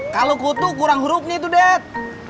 kalo kutu kurang hurufnya itu det